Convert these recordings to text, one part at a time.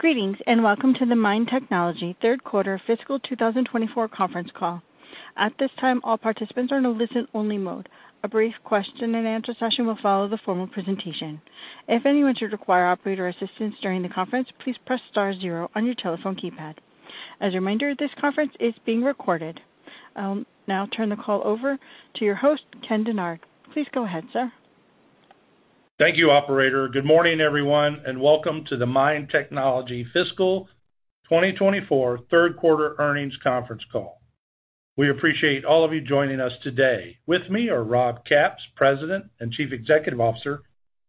Greetings, and welcome to the MIND Technology third quarter fiscal 2024 conference call. At this time, all participants are in a listen-only mode. A brief question and answer session will follow the formal presentation. If anyone should require operator assistance during the conference, please press star zero on your telephone keypad. As a reminder, this conference is being recorded. I'll now turn the call over to your host, Ken Dennard. Please go ahead, sir. Thank you, operator. Good morning, everyone, and welcome to the MIND Technology Fiscal 2024 third quarter earnings conference call. We appreciate all of you joining us today. With me are Rob Capps, President and Chief Executive Officer,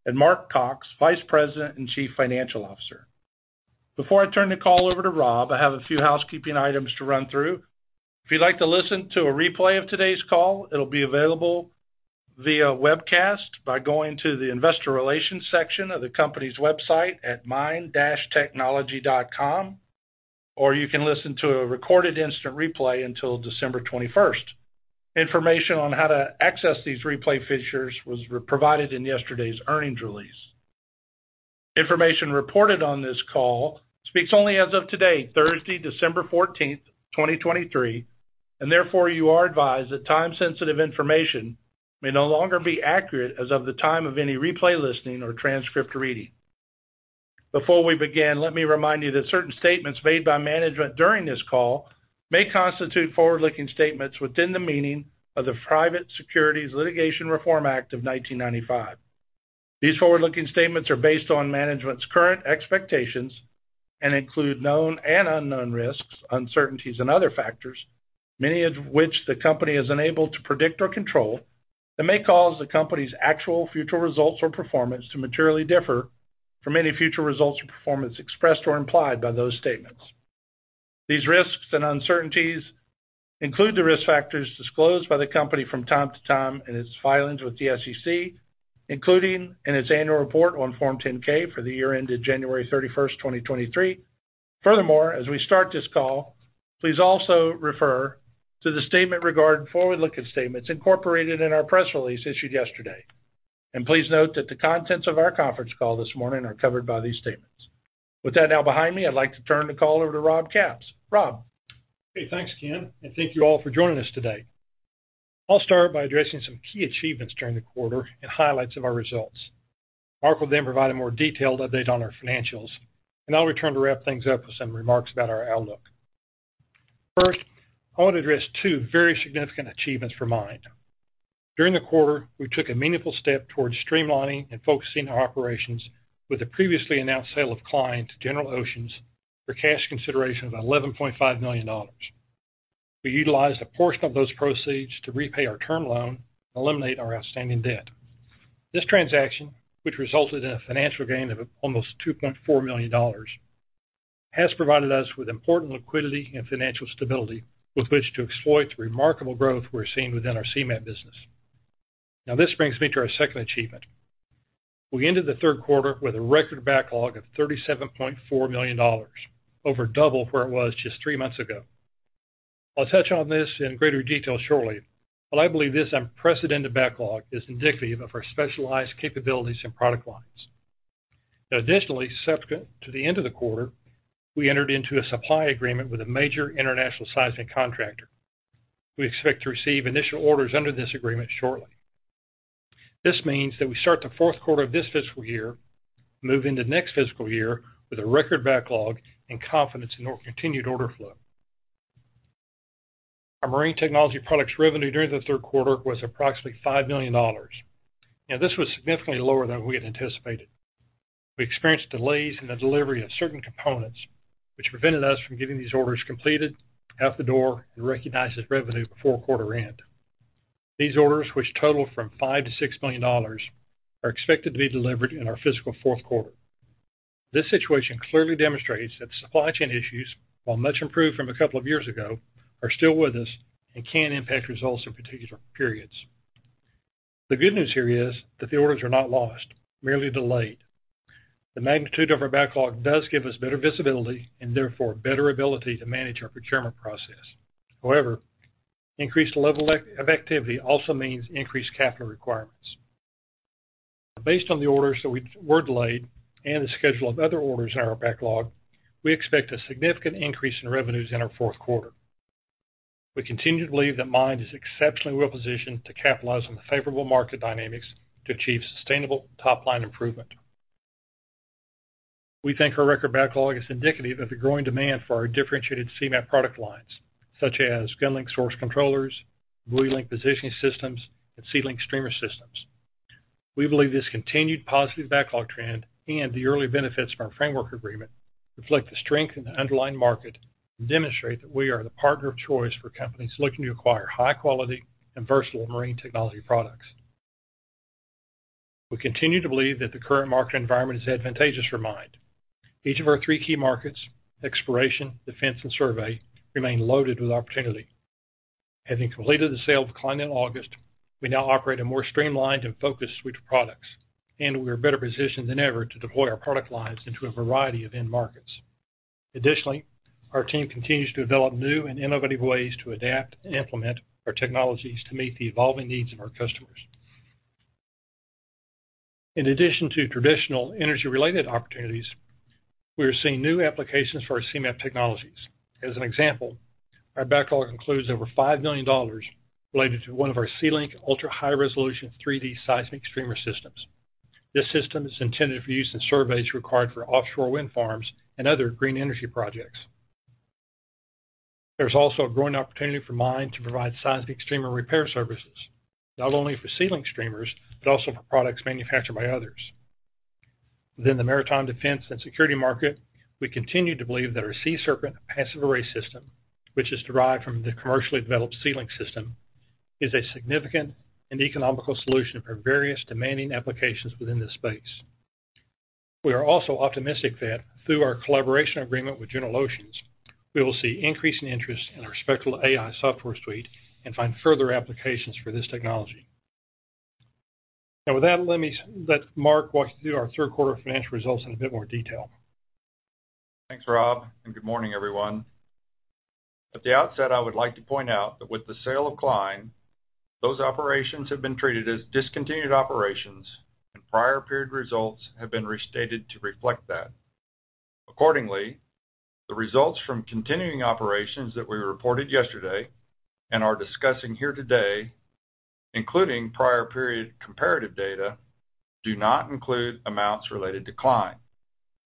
and Mark Cox, Vice President and Chief Financial Officer. Before I turn the call over to Rob, I have a few housekeeping items to run through. If you'd like to listen to a replay of today's call, it'll be available via webcast by going to the investor relations section of the company's website at mind-technology.com, or you can listen to a recorded instant replay until December 21. Information on how to access these replay features was provided in yesterday's earnings release. Information reported on this call speaks only as of today, Thursday, December 14th, 2023, and therefore, you are advised that time-sensitive information may no longer be accurate as of the time of any replay listening or transcript reading. Before we begin, let me remind you that certain statements made by management during this call may constitute forward-looking statements within the meaning of the Private Securities Litigation Reform Act of 1995. These forward-looking statements are based on management's current expectations and include known and unknown risks, uncertainties, and other factors, many of which the company is unable to predict or control, that may cause the company's actual future results or performance to materially differ from any future results or performance expressed or implied by those statements. These risks and uncertainties include the risk factors disclosed by the company from time to time in its filings with the SEC, including in its annual report on Form 10-K for the year ended January 31, 2023. Furthermore, as we start this call, please also refer to the statement regarding forward-looking statements incorporated in our press release issued yesterday. And please note that the contents of our conference call this morning are covered by these statements. With that now behind me, I'd like to turn the call over to Rob Capps. Rob? Hey, thanks, Ken, and thank you all for joining us today. I'll start by addressing some key achievements during the quarter and highlights of our results. Mark will then provide a more detailed update on our financials, and I'll return to wrap things up with some remarks about our outlook. First, I want to address two very significant achievements for MIND. During the quarter, we took a meaningful step towards streamlining and focusing our operations with the previously announced sale of Klein to General Oceans for cash consideration of $11.5 million. We utilized a portion of those proceeds to repay our term loan and eliminate our outstanding debt. This transaction, which resulted in a financial gain of almost $2.4 million, has provided us with important liquidity and financial stability with which to exploit the remarkable growth we're seeing within our Seamap business. Now, this brings me to our second achievement. We ended the third quarter with a record backlog of $37.4 million, over double where it was just three months ago. I'll touch on this in greater detail shortly, but I believe this unprecedented backlog is indicative of our specialized capabilities and product lines. Additionally, subsequent to the end of the quarter, we entered into a supply agreement with a major international seismic contractor. We expect to receive initial orders under this agreement shortly. This means that we start the fourth quarter of this fiscal year, move into next fiscal year with a record backlog and confidence in our continued order flow. Our marine technology products revenue during the third quarter was approximately $5 million. Now, this was significantly lower than we had anticipated. We experienced delays in the delivery of certain components, which prevented us from getting these orders completed, out the door, and recognized as revenue before quarter end. These orders, which total $5 million-$6 million, are expected to be delivered in our fiscal fourth quarter. This situation clearly demonstrates that supply chain issues, while much improved from a couple of years ago, are still with us and can impact results in particular periods. The good news here is that the orders are not lost, merely delayed. The magnitude of our backlog does give us better visibility and therefore better ability to manage our procurement process. However, increased level of activity also means increased capital requirements. Based on the orders that we were delayed and the schedule of other orders in our backlog, we expect a significant increase in revenues in our fourth quarter. We continue to believe that MIND is exceptionally well positioned to capitalize on the favorable market dynamics to achieve sustainable top-line improvement. We think our record backlog is indicative of the growing demand for our differentiated Seamap product lines, such as GunLink source controllers, BlueLink positioning systems, and SeaLink streamer systems. We believe this continued positive backlog trend and the early benefits from our framework agreement reflect the strength in the underlying market and demonstrate that we are the partner of choice for companies looking to acquire high quality and versatile marine technology products. We continue to believe that the current market environment is advantageous for MIND. Each of our three key markets, exploration, defense, and survey, remain loaded with opportunity. Having completed the sale of Klein in August, we now operate a more streamlined and focused suite of products, and we are better positioned than ever to deploy our product lines into a variety of end markets. Additionally, our team continues to develop new and innovative ways to adapt and implement our technologies to meet the evolving needs of our customers.... In addition to traditional energy-related opportunities, we are seeing new applications for our Seamap technologies. As an example, our backlog includes over $5 million related to one of our SeaLink ultra-high-resolution 3D seismic streamer systems. This system is intended for use in surveys required for offshore wind farms and other green energy projects. There's also a growing opportunity for MIND to provide seismic streamer repair services, not only for SeaLink streamers, but also for products manufactured by others. Within the maritime defense and security market, we continue to believe that our SeaSerpent passive array system, which is derived from the commercially developed SeaLink system, is a significant and economical solution for various demanding applications within this space. We are also optimistic that through our collaboration agreement with General Oceans, we will see increasing interest in our Spectral AI software suite and find further applications for this technology. Now, with that, let Mark walk you through our third quarter financial results in a bit more detail. Thanks, Rob, and good morning, everyone. At the outset, I would like to point out that with the sale of Klein, those operations have been treated as discontinued operations, and prior period results have been restated to reflect that. Accordingly, the results from continuing operations that we reported yesterday and are discussing here today, including prior period comparative data, do not include amounts related to Klein.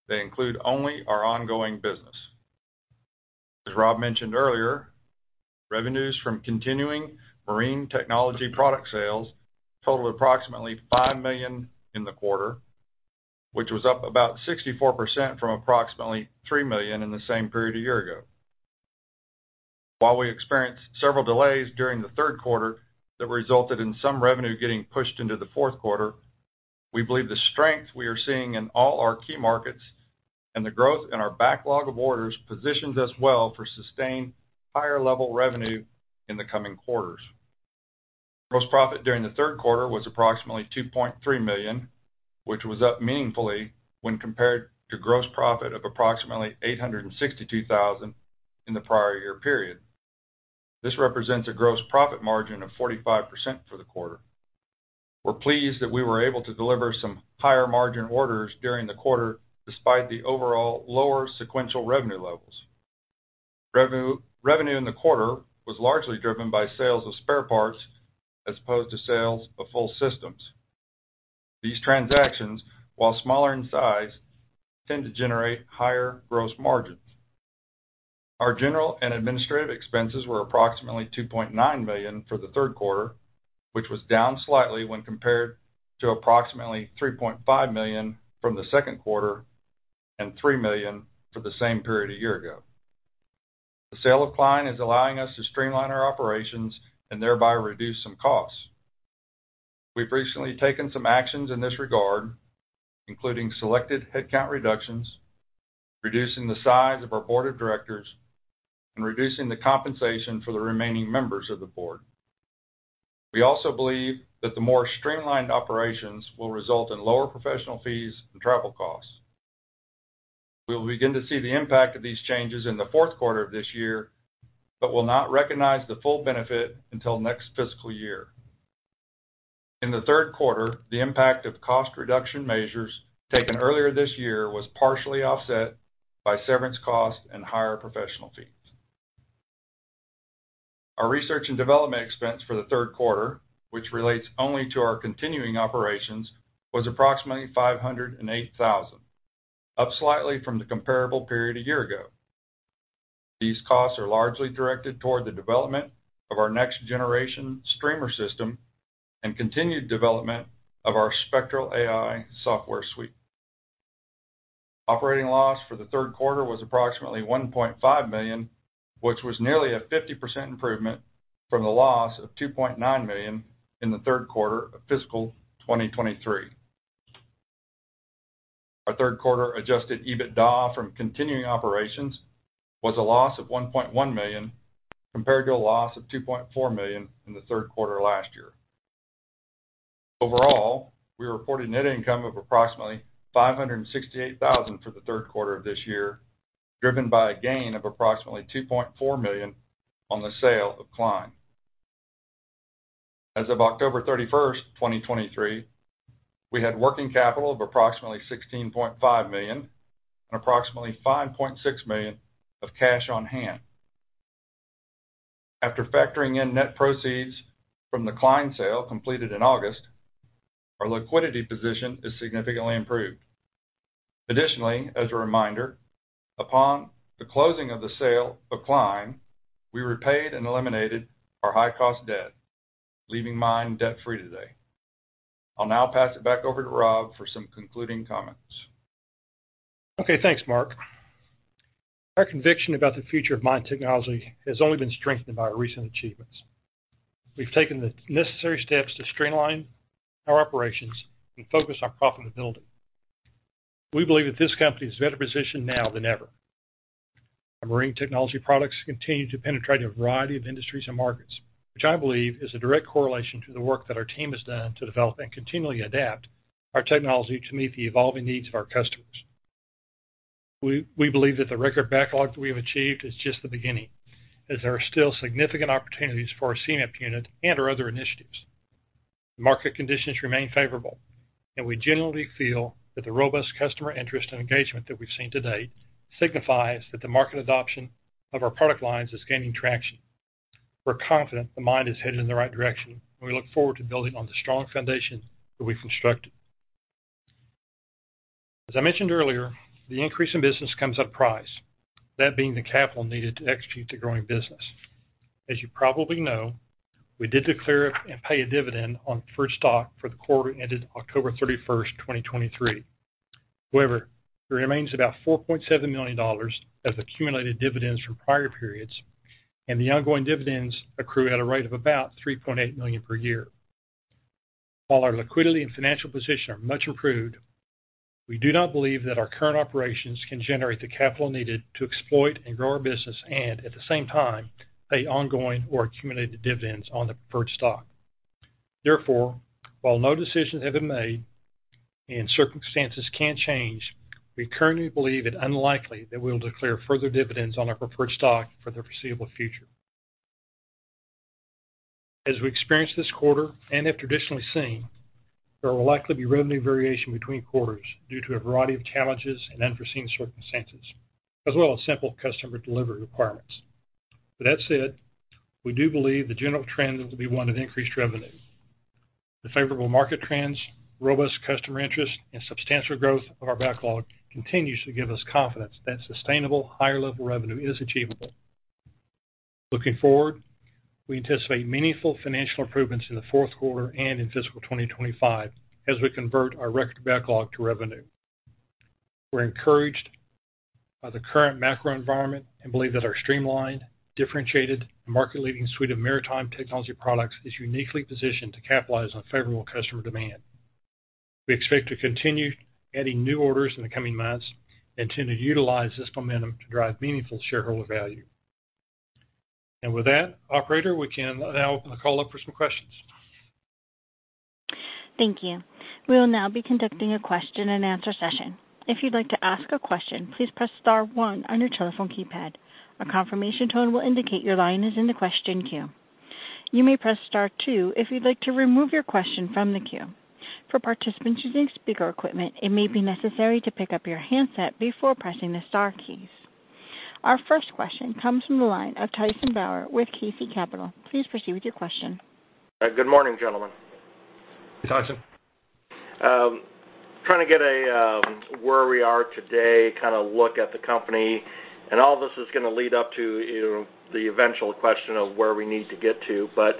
They include only our ongoing business. As Rob mentioned earlier, revenues from continuing marine technology product sales totaled approximately $5 million in the quarter, which was up about 64% from approximately $3 million in the same period a year ago. While we experienced several delays during the third quarter that resulted in some revenue getting pushed into the fourth quarter, we believe the strength we are seeing in all our key markets and the growth in our backlog of orders positions us well for sustained higher-level revenue in the coming quarters. Gross profit during the third quarter was approximately $2.3 million, which was up meaningfully when compared to gross profit of approximately $862,000 in the prior year period. This represents a gross profit margin of 45% for the quarter. We're pleased that we were able to deliver some higher-margin orders during the quarter, despite the overall lower sequential revenue levels. Revenue, revenue in the quarter was largely driven by sales of spare parts as opposed to sales of full systems. These transactions, while smaller in size, tend to generate higher gross margins. Our general and administrative expenses were approximately $2.9 million for the third quarter, which was down slightly when compared to approximately $3.5 million from the second quarter and $3 million for the same period a year ago. The sale of Klein is allowing us to streamline our operations and thereby reduce some costs. We've recently taken some actions in this regard, including selected headcount reductions, reducing the size of our board of directors, and reducing the compensation for the remaining members of the board. We also believe that the more streamlined operations will result in lower professional fees and travel costs. We will begin to see the impact of these changes in the fourth quarter of this year, but will not recognize the full benefit until next fiscal year. In the third quarter, the impact of cost reduction measures taken earlier this year was partially offset by severance costs and higher professional fees. Our research and development expense for the third quarter, which relates only to our continuing operations, was approximately $508,000, up slightly from the comparable period a year ago. These costs are largely directed toward the development of our next-generation streamer system and continued development of our Spectral AI software Suite. Operating loss for the third quarter was approximately $1.5 million, which was nearly a 50% improvement from the loss of $2.9 million in the third quarter of fiscal 2023. Our third quarter adjusted EBITDA from continuing operations was a loss of $1.1 million, compared to a loss of $2.4 million in the third quarter last year. Overall, we reported net income of approximately $568,000 for the third quarter of this year, driven by a gain of approximately $2.4 million on the sale of Klein. As of October 31, 2023, we had working capital of approximately $16.5 million and approximately $5.6 million of cash on hand. After factoring in net proceeds from the Klein sale completed in August, our liquidity position is significantly improved. Additionally, as a reminder, upon the closing of the sale of Klein, we repaid and eliminated our high-cost debt, leaving MIND debt-free today. I'll now pass it back over to Rob for some concluding comments. Okay, thanks, Mark. Our conviction about the future of MIND Technology has only been strengthened by our recent achievements. We've taken the necessary steps to streamline our operations and focus on profitability. We believe that this company is better positioned now than ever. Our marine technology products continue to penetrate a variety of industries and markets, which I believe is a direct correlation to the work that our team has done to develop and continually adapt our technology to meet the evolving needs of our customers.... We believe that the record backlog that we have achieved is just the beginning, as there are still significant opportunities for our Seamap unit and our other initiatives. Market conditions remain favorable, and we generally feel that the robust customer interest and engagement that we've seen to date signifies that the market adoption of our product lines is gaining traction. We're confident MIND is headed in the right direction, and we look forward to building on the strong foundation that we've constructed. As I mentioned earlier, the increase in business comes at a price, that being the capital needed to execute the growing business. As you probably know, we did declare and pay a dividend on preferred stock for the quarter ended October 31, 2023. However, there remains about $4.7 million as accumulated dividends from prior periods, and the ongoing dividends accrue at a rate of about $3.8 million per year. While our liquidity and financial position are much improved, we do not believe that our current operations can generate the capital needed to exploit and grow our business and, at the same time, pay ongoing or accumulated dividends on the preferred stock. Therefore, while no decisions have been made and circumstances can change, we currently believe it unlikely that we will declare further dividends on our preferred stock for the foreseeable future. As we experienced this quarter, and have traditionally seen, there will likely be revenue variation between quarters due to a variety of challenges and unforeseen circumstances, as well as simple customer delivery requirements. With that said, we do believe the general trend will be one of increased revenue. The favorable market trends, robust customer interest, and substantial growth of our backlog continues to give us confidence that sustainable, higher level revenue is achievable. Looking forward, we anticipate meaningful financial improvements in the fourth quarter and in fiscal 2025 as we convert our record backlog to revenue. We're encouraged by the current macro environment and believe that our streamlined, differentiated, and market-leading suite of maritime technology products is uniquely positioned to capitalize on favorable customer demand. We expect to continue adding new orders in the coming months and tend to utilize this momentum to drive meaningful shareholder value. With that, operator, we can now open the call up for some questions. Thank you. We will now be conducting a question and answer session. If you'd like to ask a question, please press star one on your telephone keypad. A confirmation tone will indicate your line is in the question queue. You may press star two if you'd like to remove your question from the queue. For participants using speaker equipment, it may be necessary to pick up your handset before pressing the star keys. Our first question comes from the line of Tyson Bauer with KC Capital. Please proceed with your question. Good morning, gentlemen. Tyson. Trying to get a where we are today, kind of look at the company, and all this is going to lead up to, you know, the eventual question of where we need to get to. But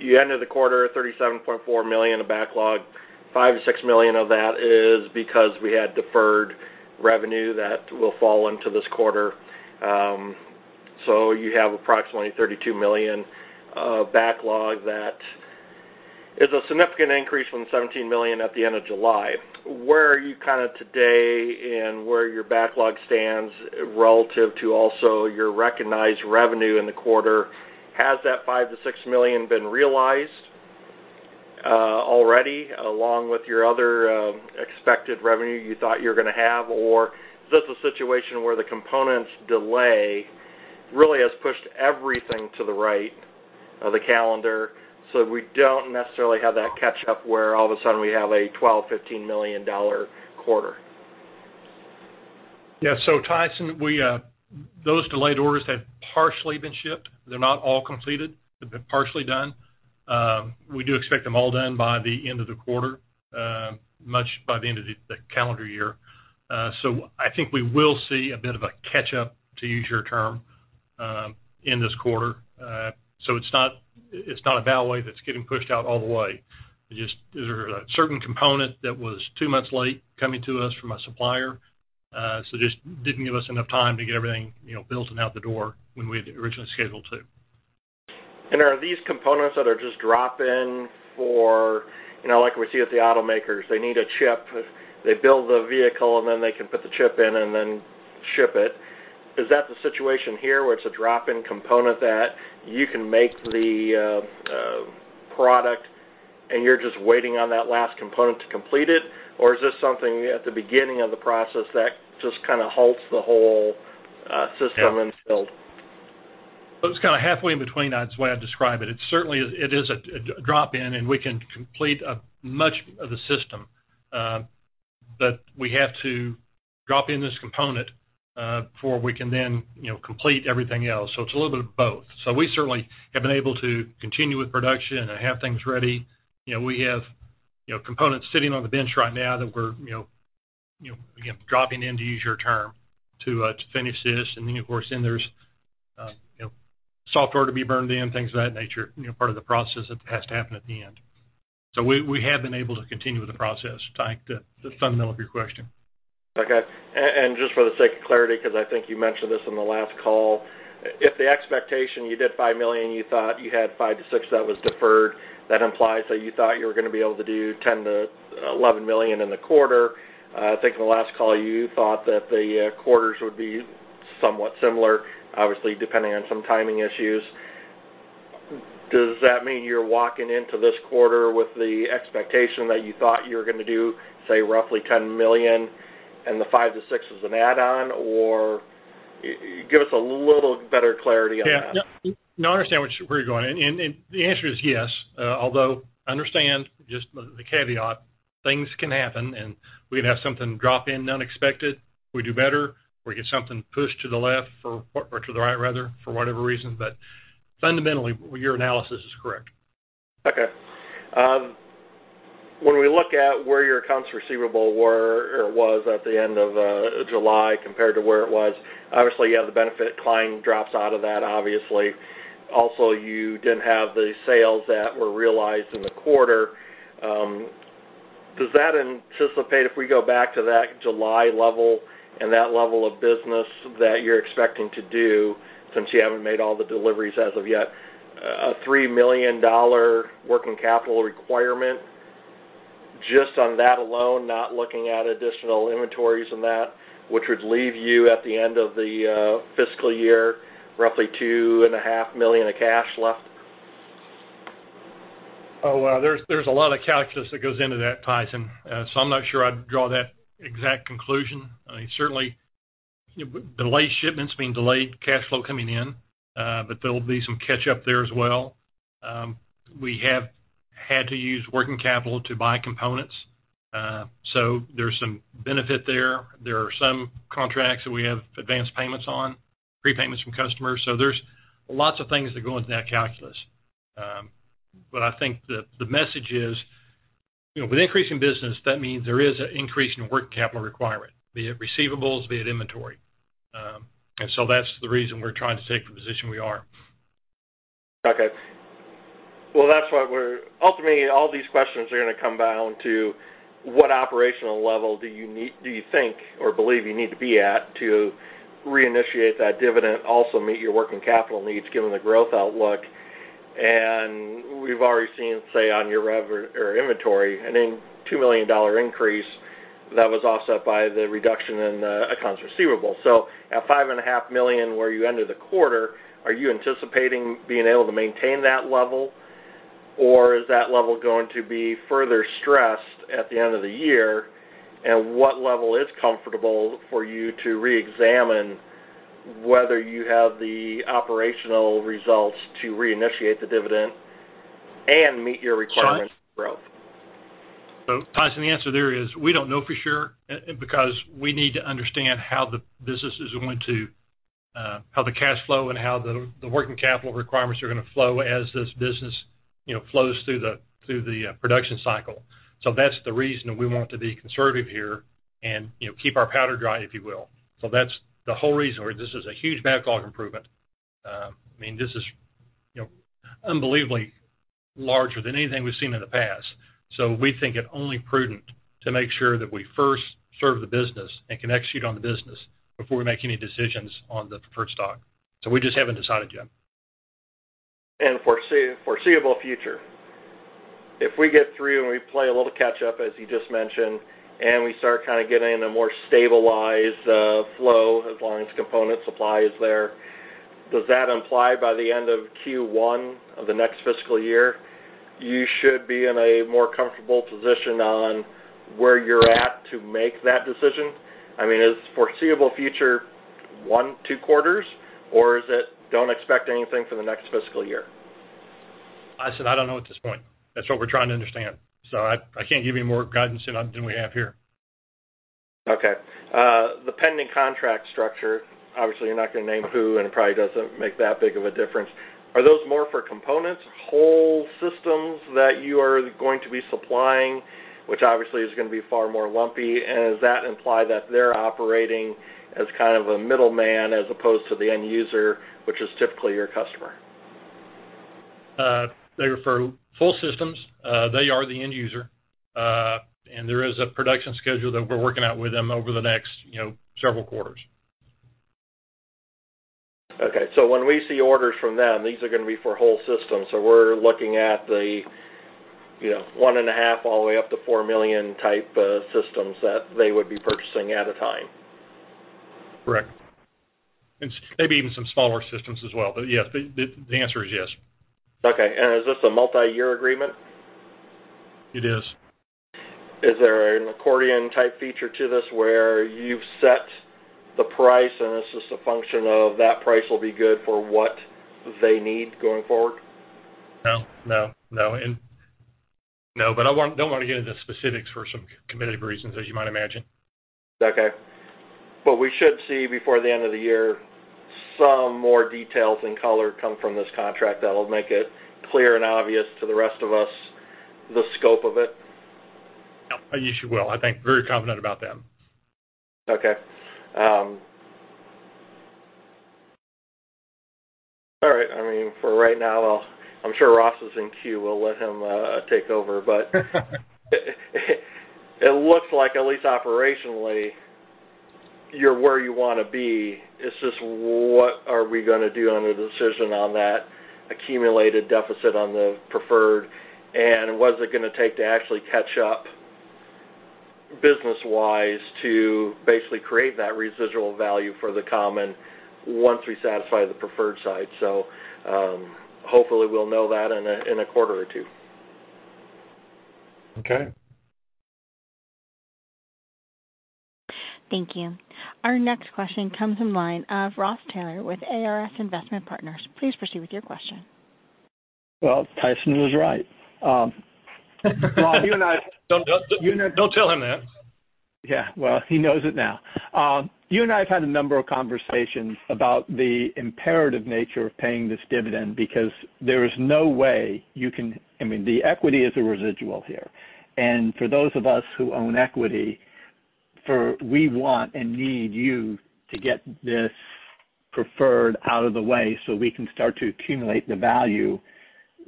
you ended the quarter at $37.4 million of backlog. $5-$6 million of that is because we had deferred revenue that will fall into this quarter. So you have approximately $32 million of backlog that is a significant increase from $17 million at the end of July. Where are you kind of today and where your backlog stands relative to also your recognized revenue in the quarter? Has that $5-$6 million been realized already, along with your other expected revenue you thought you were going to have? Or is this a situation where the components delay really has pushed everything to the right of the calendar, so we don't necessarily have that catch up where all of a sudden we have a $12-$15 million quarter? Yeah. So Tyson, we, those delayed orders have partially been shipped. They're not all completed. They've been partially done. We do expect them all done by the end of the quarter, much by the end of the calendar year. So I think we will see a bit of a catch-up, to use your term, in this quarter. So it's not, it's not a delay that's getting pushed out all the way. Just there's a certain component that was two months late coming to us from a supplier, so just didn't give us enough time to get everything, you know, built and out the door when we had originally scheduled to. Are these components that are just drop-in for, you know, like we see at the automakers, they need a chip, they build the vehicle, and then they can put the chip in and then ship it. Is that the situation here, where it's a drop-in component that you can make the product, and you're just waiting on that last component to complete it? Or is this something at the beginning of the process that just kind of halts the whole system and build? Well, it's kind of halfway in between, that's the way I'd describe it. It's certainly it is a drop-in, and we can complete much of the system. But we have to drop in this component before we can then, you know, complete everything else. So it's a little bit of both. So we certainly have been able to continue with production and have things ready. You know, we have components sitting on the bench right now that we're, you know, again, dropping in, to use your term, to finish this. And then, of course, then there's software to be burned in, things of that nature, you know, part of the process that has to happen at the end. So we have been able to continue with the process, Ty, to the nub of your question. Okay. And, and just for the sake of clarity, because I think you mentioned this on the last call. If the expectation you did $5 million, you thought you had $5-$6 million, that was deferred, that implies that you thought you were going to be able to do $10-$11 million in the quarter. I think in the last call, you thought that the quarters would be somewhat similar, obviously, depending on some timing issues.... Does that mean you're walking into this quarter with the expectation that you thought you were gonna do, say, roughly $10 million, and the $5-$6 million is an add-on? Or give us a little better clarity on that. Yeah. No, I understand where you're going, and, and the answer is yes. Although understand just the caveat, things can happen, and we could have something drop in unexpected. We do better, or we get something pushed to the left or, or to the right, rather, for whatever reason. But fundamentally, your analysis is correct. Okay. When we look at where your accounts receivable were or was at the end of July compared to where it was, obviously, you have the benefit of client drops out of that, obviously. Also, you didn't have the sales that were realized in the quarter. Does that anticipate, if we go back to that July level and that level of business that you're expecting to do, since you haven't made all the deliveries as of yet, a $3 million working capital requirement just on that alone, not looking at additional inventories and that, which would leave you at the end of the fiscal year, roughly $2.5 million of cash left? Oh, well, there's a lot of calculus that goes into that, Tyson. So I'm not sure I'd draw that exact conclusion. I certainly. Delayed shipments mean delayed cash flow coming in, but there'll be some catch up there as well. We have had to use working capital to buy components, so there's some benefit there. There are some contracts that we have advanced payments on, prepayments from customers, so there's lots of things that go into that calculus. But I think the message is, you know, with increasing business, that means there is an increase in working capital requirement, be it receivables, be it inventory. And so that's the reason we're trying to take the position we are. Okay. Well, that's why we're ultimately, all these questions are gonna come down to: What operational level do you think or believe you need to be at to reinitiate that dividend, also meet your working capital needs, given the growth outlook? And we've already seen, say, on your rev or inventory, an inventory $2 million increase that was offset by the reduction in accounts receivable. So at $5.5 million, where you ended the quarter, are you anticipating being able to maintain that level, or is that level going to be further stressed at the end of the year? And what level is comfortable for you to reexamine whether you have the operational results to reinitiate the dividend and meet your requirements for growth? So, Tyson, the answer there is we don't know for sure because we need to understand how the business is going to, how the cash flow and how the working capital requirements are gonna flow as this business, you know, flows through the production cycle. So that's the reason we want to be conservative here and, you know, keep our powder dry, if you will. So that's the whole reason where this is a huge backlog improvement. I mean, this is, you know, unbelievably larger than anything we've seen in the past, so we think it only prudent to make sure that we first serve the business and can execute on the business before we make any decisions on the preferred stock. So we just haven't decided yet. Foreseeable future. If we get through and we play a little catch up, as you just mentioned, and we start kind of getting a more stabilized flow as long as component supply is there, does that imply by the end of Q1 of the next fiscal year, you should be in a more comfortable position on where you're at to make that decision? I mean, is foreseeable future one, two quarters, or is it, don't expect anything for the next fiscal year? I said I don't know at this point. That's what we're trying to understand. So I, I can't give you more guidance than we have here. Okay. The pending contract structure, obviously, you're not gonna name who, and it probably doesn't make that big of a difference. Are those more for components, whole systems that you are going to be supplying, which obviously is gonna be far more lumpy? And does that imply that they're operating as kind of a middleman as opposed to the end user, which is typically your customer? They refer full systems. They are the end user, and there is a production schedule that we're working out with them over the next, you know, several quarters. Okay. So when we see orders from them, these are gonna be for whole systems. So we're looking at the, you know, $1.5 million-$4 million type systems that they would be purchasing at a time. Correct. And maybe even some smaller systems as well. But yes, the answer is yes. Okay. Is this a multi-year agreement? It is. Is there an accordion-type feature to this, where you've set the price, and it's just a function of that price will be good for what they need going forward? No, no, no. No, but I don't want to get into specifics for some competitive reasons, as you might imagine. Okay. But we should see, before the end of the year, some more details and color come from this contract that will make it clear and obvious to the rest of us, the scope of it? Yeah. You should, well, I think, very confident about them. Okay. All right. I mean, for right now, I'm sure Ross is in queue. We'll let him take over. It looks like at least operationally, you're where you wanna be. It's just what are we gonna do on the decision on that accumulated deficit on the preferred, and what is it gonna take to actually catch up? Business-wise to basically create that residual value for the common once we satisfy the preferred side. So, hopefully we'll know that in a quarter or two. Okay. Thank you. Our next question comes in line of Ross Taylor with ARS Investment Partners. Please proceed with your question. Well, Tyson was right. Well, you and I- Don't, don't, don't tell him that. Yeah, well, he knows it now. You and I have had a number of conversations about the imperative nature of paying this dividend because there is no way you can—I mean, the equity is a residual here. And for those of us who own equity, for we want and need you to get this preferred out of the way so we can start to accumulate the value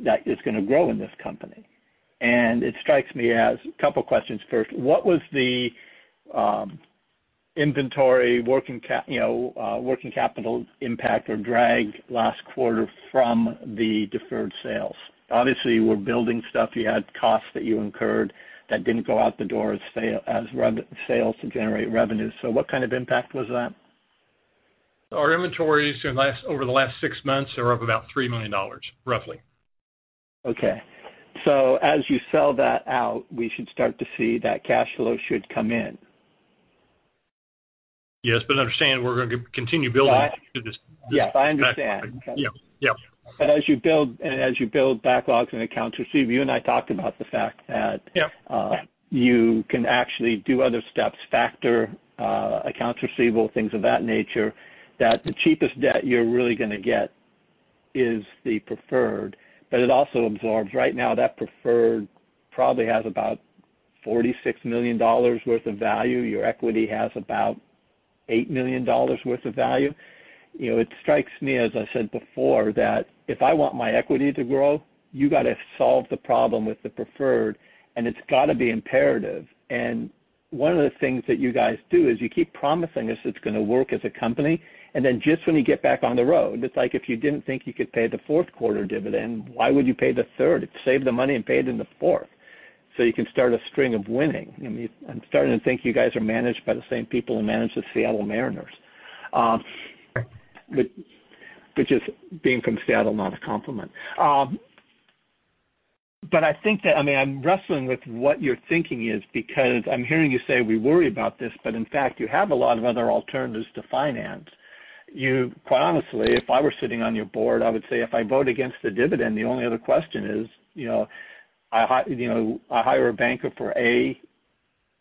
that is gonna grow in this company. And it strikes me as a couple questions. First, what was the inventory working cap, you know, working capital impact or drag last quarter from the deferred sales? Obviously, you were building stuff. You had costs that you incurred that didn't go out the door as far as sales to generate revenues. So what kind of impact was that? Our inventories over the last six months are up about $3 million, roughly. Okay. As you sell that out, we should start to see that cash flow should come in. Yes, but understand, we're gonna continue building this. Yes, I understand. Yeah. Yeah. But as you build, and as you build backlogs and accounts receivable, you and I talked about the fact that- Yeah... you can actually do other steps, factor, accounts receivable, things of that nature, that the cheapest debt you're really gonna get is the preferred, but it also absorbs. Right now, that preferred probably has about $46 million worth of value. Your equity has about $8 million worth of value. You know, it strikes me, as I said before, that if I want my equity to grow, you got to solve the problem with the preferred, and it's got to be imperative. And one of the things that you guys do is you keep promising us it's gonna work as a company, and then just when you get back on the road, it's like, if you didn't think you could pay the fourth quarter dividend, why would you pay the third? Save the money and pay it in the fourth, so you can start a string of winning. I'm starting to think you guys are managed by the same people who manage the Seattle Mariners, which is, being from Seattle, not a compliment. But I think that... I mean, I'm wrestling with what your thinking is because I'm hearing you say, we worry about this, but in fact, you have a lot of other alternatives to finance. You, quite honestly, if I were sitting on your board, I would say if I vote against the dividend, the only other question is, you know, I hire a banker for, A,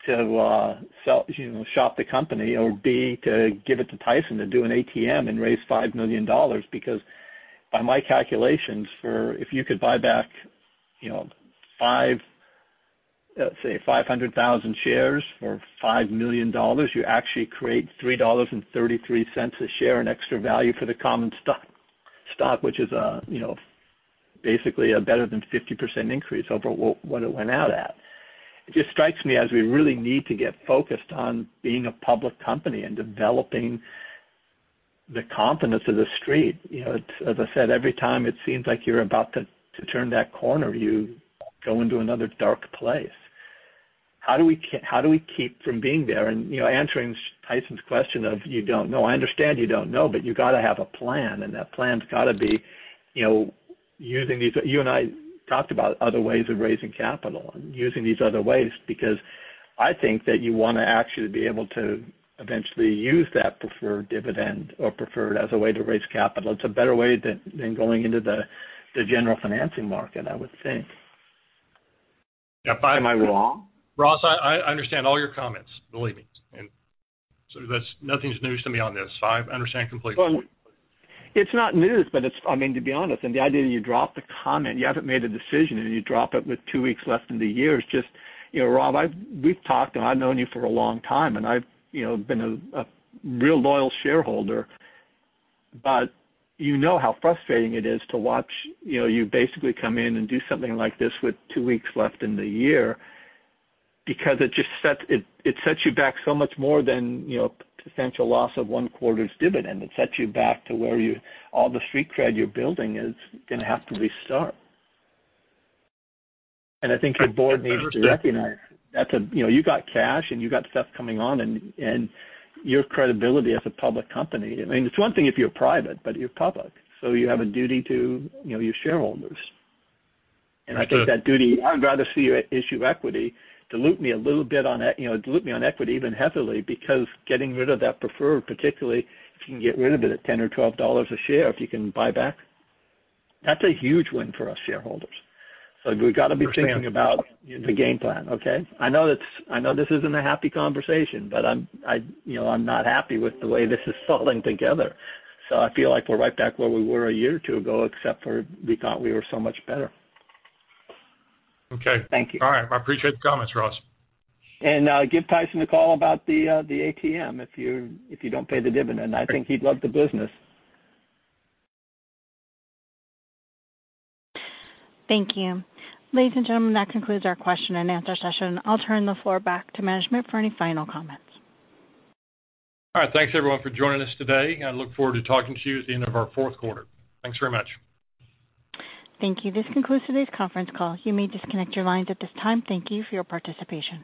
to sell, you know, shop the company, or B, to give it to Tyson to do an ATM and raise $5 million. Because by my calculations for if you could buy back, you know, 5, let's say 500,000 shares for $5 million, you actually create $3.33 a share in extra value for the common stock, stock, which is, you know, basically a better than 50% increase over what, what it went out at. It just strikes me as we really need to get focused on being a public company and developing the confidence of the street. You know, as I said, every time it seems like you're about to, to turn that corner, you go into another dark place. How do we keep from being there? You know, answering Tyson's question of, you don't know. I understand you don't know, but you got to have a plan, and that plan's got to be, you know, using these... You and I talked about other ways of raising capital and using these other ways because I think that you want to actually be able to eventually use that preferred dividend or preferred as a way to raise capital. It's a better way than going into the general financing market, I would think. Yeah. Am I wrong? Ross, I understand all your comments, believe me, and so that's nothing's news to me on this. I understand completely. Well, it's not news, but it's... I mean, to be honest, and the idea that you dropped the comment, you haven't made a decision, and you drop it with two weeks left in the year. It's just, you know, Rob, I've-- we've talked, and I've known you for a long time, and I've, you know, been a real loyal shareholder, but you know how frustrating it is to watch, you know, you basically come in and do something like this with two weeks left in the year because it just sets, it, it sets you back so much more than, you know, potential loss of one quarter's dividend. It sets you back to where you, all the street cred you're building is gonna have to restart. I think your board needs to recognize that's a, you know, you got cash, and you got stuff coming on and, and your credibility as a public company. I mean, it's one thing if you're private, but you're public, so you have a duty to, you know, your shareholders. I said- And I think that duty, I'd rather see you issue equity, dilute me a little bit on equ-- you know, dilute me on equity even heavily, because getting rid of that preferred, particularly if you can get rid of it at $10 or $12 a share, if you can buy back, that's a huge win for us shareholders. So we've got to be thinking about the game plan, okay? I know it's-- I know this isn't a happy conversation, but I'm, you know, I'm not happy with the way this is falling together. So I feel like we're right back where we were a year or two ago, except for we thought we were so much better. Okay. Thank you. All right. I appreciate the comments, Ross. Give Tyson a call about the ATM if you don't pay the dividend. I think he'd love the business. Thank you. Ladies and gentlemen, that concludes our question and answer session. I'll turn the floor back to management for any final comments. All right. Thanks, everyone, for joining us today, and I look forward to talking to you at the end of our fourth quarter. Thanks very much. Thank you. This concludes today's conference call. You may disconnect your lines at this time. Thank you for your participation.